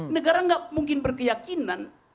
negara gak mungkin berkeyakinan